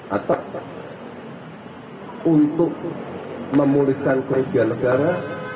atau untuk memulihkan kerugian negara